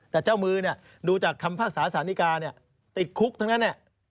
แต่เจ้ามือดูจากคำภาคศาสตร์สานิกาติดคุกทั้งนั้น